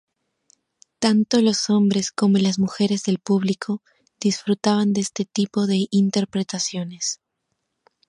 Tanto los hombres como las mujeres del público disfrutaban de este tipo de interpretaciones.